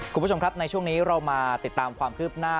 คุณผู้ชมครับในช่วงนี้เรามาติดตามความคืบหน้า